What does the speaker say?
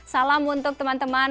salam untuk teman teman